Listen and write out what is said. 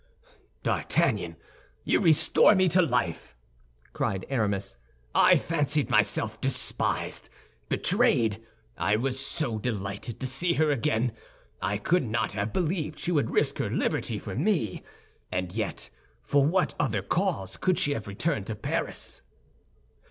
"D'Artagnan, you restore me to life!" cried Aramis. "I fancied myself despised, betrayed. I was so delighted to see her again! I could not have believed she would risk her liberty for me, and yet for what other cause could she have returned to Paris?"